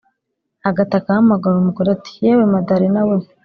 agataka ahamagara umugore, ati "yewe madalena we,